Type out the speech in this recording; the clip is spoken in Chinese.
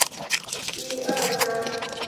明命十六年成为皇长子长庆公府妾。